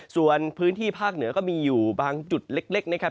ส่วนพื้นที่ภาคเหนือก็มีอยู่บางจุดเล็กนะครับ